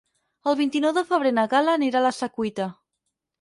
El vint-i-nou de febrer na Gal·la anirà a la Secuita.